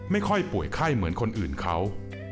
ไม่ค่อยป่วยไข้เหมือนคนอื่นเขา